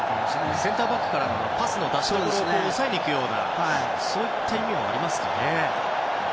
センターバックからのパスの出しどころを抑えに行くようなそういった意味はありますかね。